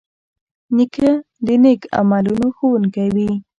نیکه د نیک عملونو ښوونکی وي.